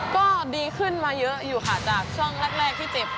ก็ดีขึ้นมาเยอะอยู่ค่ะจากช่องแรกที่เจ็บ